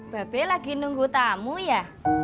bape lagi nunggu tamu ya